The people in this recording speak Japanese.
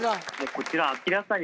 こちら。